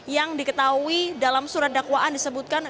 yang diketahui dalam surat dakwaan disebutkan